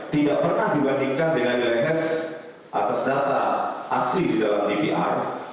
tidak pernah dibandingkan dengan nilai hash atas data asli didalam dpr